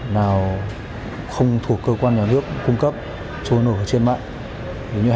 nào không thuộc cơ quan nhà nước cung cấp trôi nổ ở trên mạng